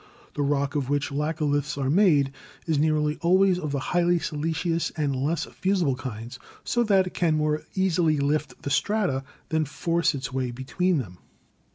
The rock of which laccoliths are made is nearly always of the highly siliceous and less fusible kinds, so that it can more easily lift the strata than force its way between them.